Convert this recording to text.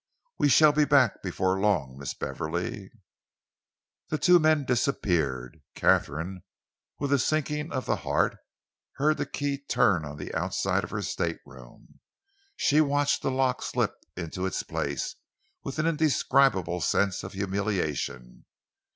We shall be back before long, Miss Beverley." The two men disappeared. Katharine, with a sinking of the heart, heard the key turn on the outside of her stateroom. She watched the lock slip into its place with an indescribable sense of humiliation.